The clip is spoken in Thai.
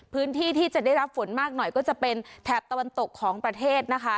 พื้นที่ที่จะได้รับฝนมากหน่อยก็จะเป็นแถบตะวันตกของประเทศนะคะ